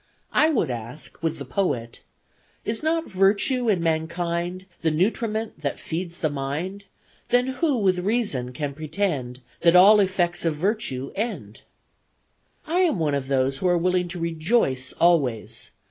I would ask with the poet, Is not virtue in mankind The nutriment that feeds the mind, Then who, with reason, can pretend That all effects of virtue end? I am one of those who are willing to rejoice always.